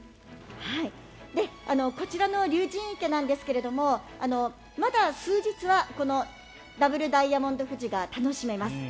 こちらの竜神池なんですがまだ数日はこのダブルダイヤモンド富士が楽しめます。